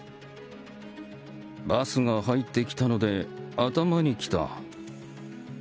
バスが入ってきたので頭にきた。